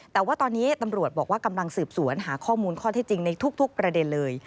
แต่ว่าตอนนี้ตำรวจบอกว่ากำลังสืบสวนหาข้อมูลข้อที่จริงในทุกประเด็นเลย